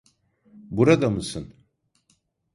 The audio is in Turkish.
Burada mısın?